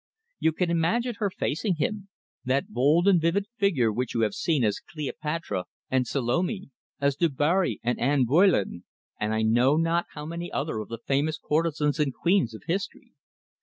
You can imagine her facing him that bold and vivid figure which you have seen as "Cleopatra" and "Salome," as "Dubarry" and "Anne Boleyn," and I know not how many other of the famous courtesans and queens of history.